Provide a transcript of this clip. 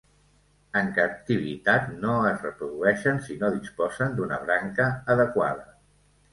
En captivitat no es reprodueixen si no disposen d'una branca adequada.